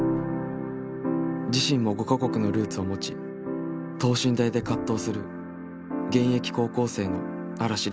自身も５か国のルーツを持ち等身大で葛藤する現役高校生の嵐莉菜